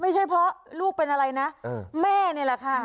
ไม่ใช่เพราะลูกเป็นอะไรนะแม่นี่แหละค่ะ